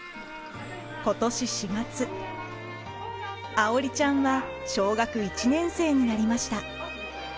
愛織ちゃんは小学１年生になりました。